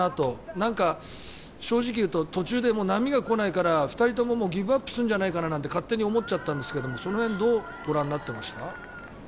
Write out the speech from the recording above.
なんか、正直言うと途中で波が来ないから２人ともギブアップするんじゃないかって勝手に思っちゃったんですけどその辺どうご覧になっていましたか？